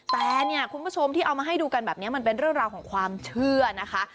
แต่เนี่ยคุณผู้ชมที่เอามาให้ดูกันแบบนี้มันเป็นเรื่องราวของความเชื่อนะคะ